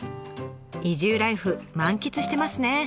移住ライフ満喫してますね！